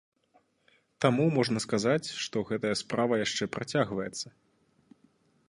Таму можна сказаць, што гэтая справа яшчэ працягваецца.